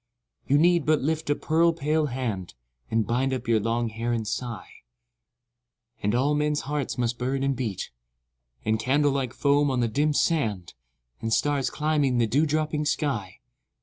You need but lift a pearl pale hand. And bind up your long hair and sigh; And all men's hearts must burn and beat; And candle like foam on the dim sand, And stars climbing the dew dropping sky.